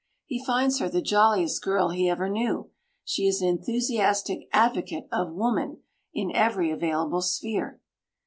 He finds her the jolliest girl he ever knew. She is an enthusiastic advocate of "woman" in every available sphere.